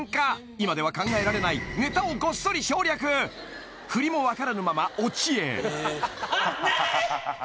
今では考えられないネタをゴッソリ省略フリも分からぬままオチへあなーい！